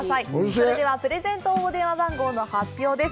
それでは、プレゼント応募電話番号の発表です。